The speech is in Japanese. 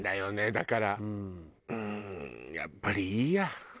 だからうーんやっぱりいいや。